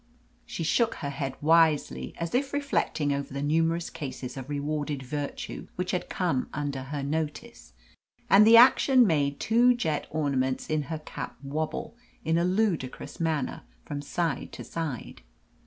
She shook her head wisely, as if reflecting over the numerous cases of rewarded virtue which had come under her notice, and the action made two jet ornaments in her cap wobble, in a ludicrous manner, from side to side.